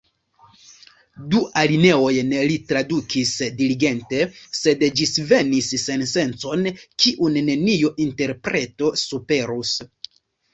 Du alineojn li tradukis diligente, sed ĝisvenis sensencon kiun neniu interpreto superus.